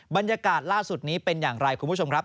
บรรยากาศล่าสุดนี้เป็นอย่างไรคุณผู้ชมครับ